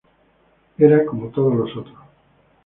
Era como todos los otros.